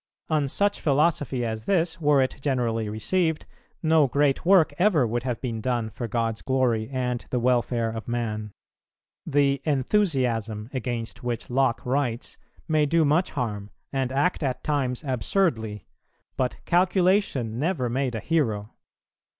On such philosophy as this, were it generally received, no great work ever would have been done for God's glory and the welfare of man. The "enthusiasm" against which Locke writes may do much harm, and act at times absurdly; but calculation never made a hero.